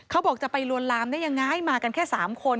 เขาบอกจะไปลวนลามได้ยังไงมากันแค่๓คน